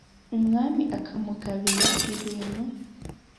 umwami akamugabira ibintu.